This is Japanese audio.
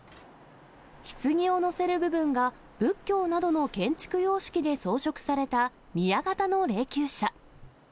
ひつぎを乗せる部分が仏教などの建築様式で装飾された宮型の霊きゅう車。